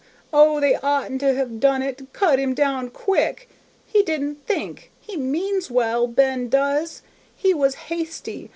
O, they oughtn't to have done it; cut him down quick! he didn't think; he means well, Ben does; he was hasty.